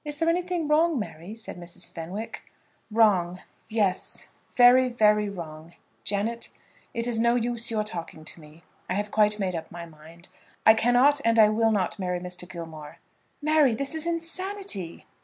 "Is there anything wrong, Mary?" said Mrs. Fenwick. "Wrong. Yes; very, very wrong. Janet, it is no use your talking to me. I have quite made up my mind. I cannot and I will not marry Mr. Gilmore." "Mary, this is insanity."